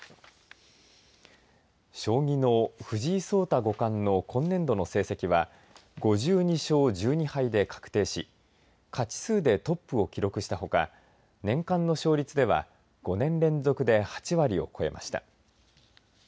将棋の藤井聡太五冠の今年度の成績は５２勝１２敗で確定し勝ち数でトップを記録したほか年間の勝率では５年連続で８割を超えました。